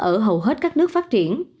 ở hầu hết các nước phát triển